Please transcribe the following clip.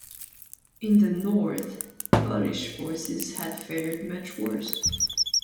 In the north, Polish forces had fared much worse.